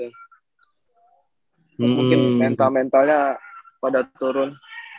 terus mungkin mental mentalnya pada turun